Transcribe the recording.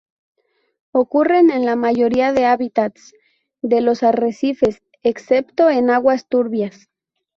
Ocurren en la mayoría de hábitats de los arrecifes, excepto en aguas turbias.